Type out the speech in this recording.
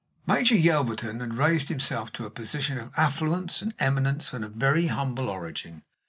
Major Yelverton had raised himself to a position of affluence and eminence from a very humble origin.